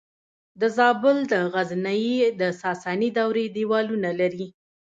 د زابل د غزنیې د ساساني دورې دیوالونه لري